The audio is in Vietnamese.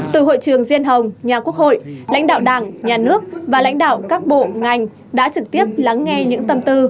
từ hội trường diên hồng nhà quốc hội lãnh đạo đảng nhà nước và lãnh đạo các bộ ngành đã trực tiếp lắng nghe những tâm tư